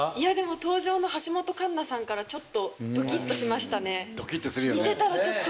登場の橋本環奈さんからちょっとドキっとしましたね。